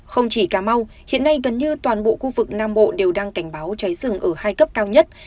không chỉ cà mau hiện nay gần như toàn bộ khu vực nam bộ đều đang cảnh báo cháy rừng ở hai cấp cao nhất